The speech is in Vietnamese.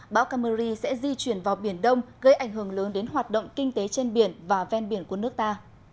bão kamuri sẽ di chuyển vào biển đông gây ảnh hưởng lớn đến hoạt động kinh tế trên biển và ven biển của nước ta